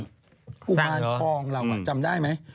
กุมารทองเราจำได้ไหม